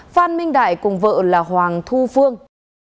phan minh đại cùng vợ là hoàng thu phương